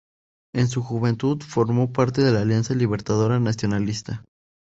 En su juventud formó parte de la Alianza Libertadora Nacionalista.